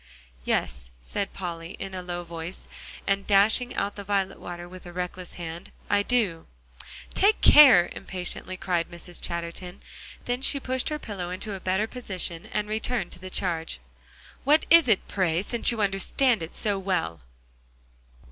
"Yes," said Polly, in a low voice, and dashing out the violet water with a reckless hand, "I do." "Take care," impatiently cried Mrs. Chatterton. Then she pushed her pillow into a better position, and returned to the charge. "What is it, pray, since you understand it so well?"